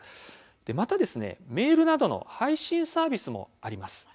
また、メールなどの配信サービスもあります。